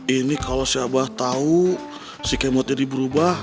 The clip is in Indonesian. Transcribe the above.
ini kalau si abah tahu si kemod ini berubah